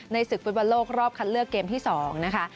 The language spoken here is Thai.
ในศึกภูมิโลกรอบคัดเลือกเกมที่สองนะคะ